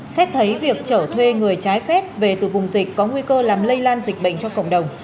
xét thấy việc trở thuê người trái phép về từ vùng dịch có nguy cơ làm lây lan dịch bệnh cho cộng đồng